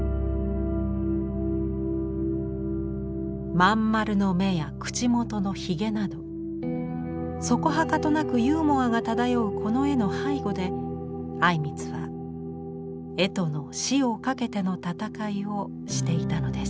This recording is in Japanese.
まん丸の眼や口元のひげなどそこはかとなくユーモアが漂うこの絵の背後で靉光は「絵との死をかけての闘い」をしていたのです。